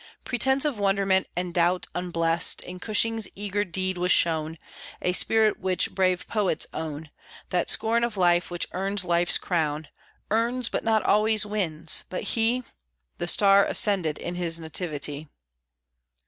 Pretence of wonderment and doubt unblest: In Cushing's eager deed was shown A spirit which brave poets own That scorn of life which earns life's crown; Earns, but not always wins; but he The star ascended in his nativity.